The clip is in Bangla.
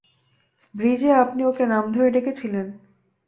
ব্রিজে আপনি ওকে নাম ধরে ডেকেছিলেন।